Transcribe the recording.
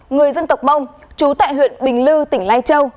người dân tộc mông chú tại huyện bình lư tỉnh lai châu